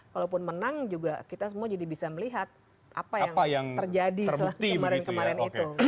kalaupun menang juga kita semua jadi bisa melihat apa yang terjadi setelah kemarin kemarin itu